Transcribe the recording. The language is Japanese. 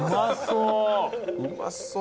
うまそう。